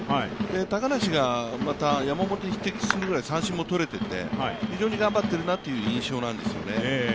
高梨がまた山本に匹敵するぐらい三振も取れていて非常に頑張っているなという印象なんですよね。